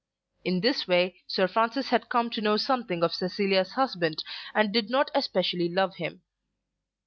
In this way Sir Francis had come to know something of Cecilia's husband, and did not especially love him.